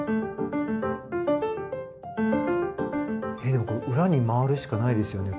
当時の裏に回るしかないですよね